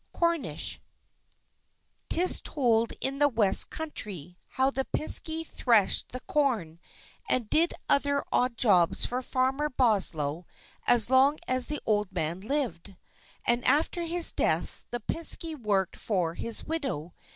From Cornwall 'Tis told in the west country, how the Piskey threshed the corn, and did other odd jobs for Farmer Boslow as long as the old man lived. And after his death the Piskey worked for his widow.